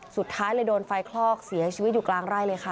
สุดท้ายเลยโดนไฟคลอกเสียชีวิตอยู่กลางไร่เลยค่ะ